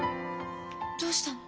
どうしたの？